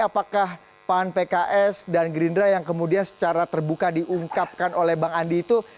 apakah pan pks dan gerindra yang kemudian secara terbuka diungkapkan oleh bang andi itu